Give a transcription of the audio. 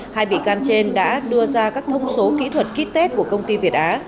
hai vị can trên đã đưa ra các thông số kỹ thuật kích tết của công ty việt á